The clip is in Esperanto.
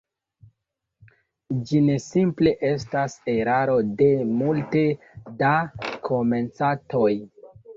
Ĝi ne simple estas eraro de multe da komencantoj.